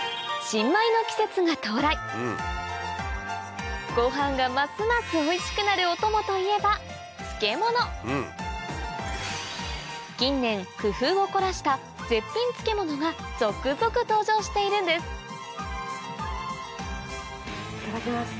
新米の季節が到来ご飯がますますおいしくなるお供といえば近年工夫を凝らした絶品漬物が続々登場しているんですいただきます。